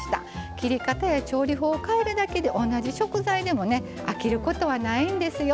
切り方や調理法を変えるだけで同じ食材でも飽きることはないんですよ。